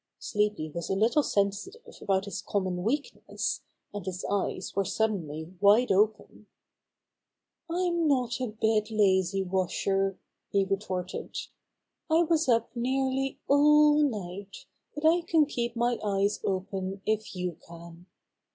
Sleepy was a little sensitive about his com mon weakness, and his eyes were suddenly wide open. "I'm not a bit lazy. Washer," he retorted. "I was up nearly all night, but I can keep my eyes open if you can.